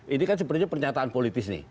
ini kan sebenarnya pernyataan politis nih